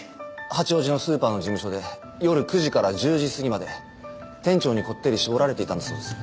八王子のスーパーの事務所で夜９時から１０時過ぎまで店長にこってり絞られていたんだそうです。